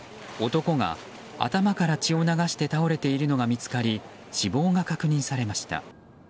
男が、頭から血を流して倒れているのが見つかり死亡が確認されました。